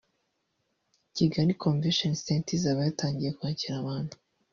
Kigali Convention Centre izaba yatangiye kwakira abantu